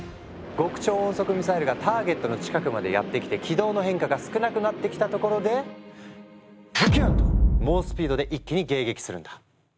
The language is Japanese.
極超音速ミサイルがターゲットの近くまでやって来て軌道の変化が少なくなってきたところでズキューン！と猛スピードで一気に迎撃するんだ。